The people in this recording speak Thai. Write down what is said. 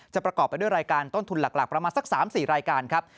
ประกอบไปด้วยรายการต้นทุนหลักประมาณสัก๓๔รายการครับ